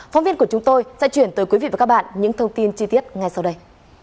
phóng viên của chúng tôi sẽ chuyển tới quý vị và các bạn những thông tin chi tiết ngay sau đây